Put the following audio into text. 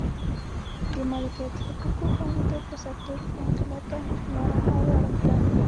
د مالکیت حقونو خوندیتوب په سکتور کې انقلاب ته لار هواره کړه.